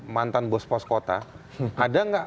mantan bos pos kota ada gak